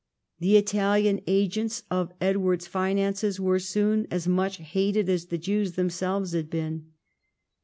The Italian agents of Edward's finances were soon as much hated as the Jews themselves had been.